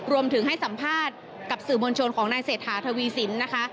รวมถึงให้สัมภาษณ์กับสื่อมวลชนของนายเศรษฐาทวีสินนะคะ